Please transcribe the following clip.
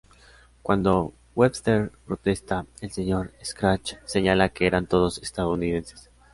Cuando Webster protesta, el Sr. Scratch señala que eran "todos estadounidenses".